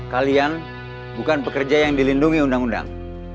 kalian bukan pekerja yang dilindungi undang undang